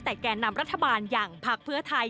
แต่แก่นำรัฐบาลอย่างพักเพื่อไทย